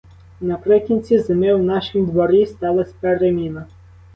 Наприкінці зими в нашім дворі сталась переміна.